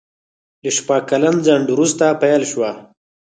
له شپږ کلن ځنډ وروسته پېل شوه.